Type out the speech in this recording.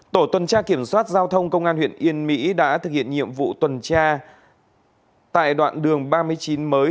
tổ tuần tra kiểm soát giao thông công an huyện yên mỹ đã thực hiện nhiệm vụ tuần tra tại đoạn đường ba mươi chín mới